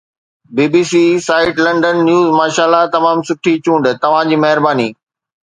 بي B C site London news ماشاءالله تمام سٺي چونڊ توهان جي مهرباني